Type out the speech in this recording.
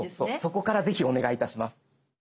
そこからぜひお願いいたします。